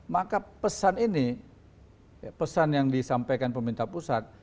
maka pesan ini pesan yang disampaikan pemerintah pusat